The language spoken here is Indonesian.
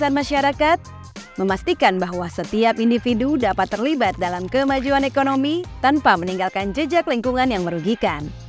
bank indonesia juga melihat potensi di setiap lapisan masyarakat memastikan bahwa setiap individu dapat terlibat dalam kemajuan ekonomi tanpa meninggalkan jejak lingkungan yang merujuk